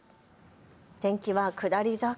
天気は下り坂。